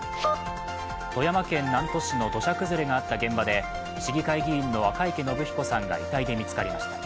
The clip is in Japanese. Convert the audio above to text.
富山県南砺市の土砂崩れがあった現場で市議会議員の赤池伸彦さんが遺体で見つかりました。